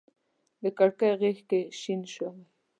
د کړکۍ غیږ کي شین شوی